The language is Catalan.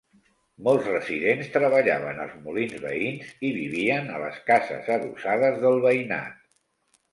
Molts residents treballaven als molins veïns i vivien a les cases adossades del veïnat.